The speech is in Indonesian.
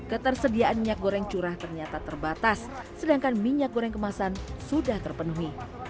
ketersediaan minyak goreng curah ternyata terbatas sedangkan minyak goreng kemasan sudah terpenuhi